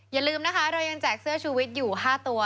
อย่าลืมนะคะเรายังแจกเสื้อชูวิทย์อยู่๕ตัว